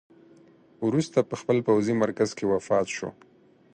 وروسته په خپل پوځي مرکز کې وفات شو.